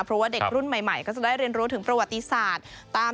เพราะว่าเด็กรุ่นใหม่ก็จะได้เรียนรู้ถึงประวัติศาสตร์